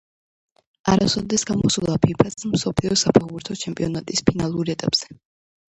არასოდეს გამოსულა ფიფა-ს მსოფლიო საფეხბურთო ჩემპიონატის ფინალურ ეტაპზე.